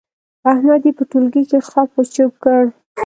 احمد يې په ټولګي کې خپ و چپ کړ.